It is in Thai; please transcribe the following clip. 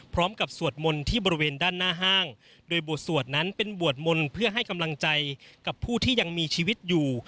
พร้อมกับสวดมนต์ที่บริเวณด้านหน้าห้างโดยบทสวดนั้นเป็นบทมนต์ให้กำลังใจและกอบผู้ที่ยังมีชีวิตอยู่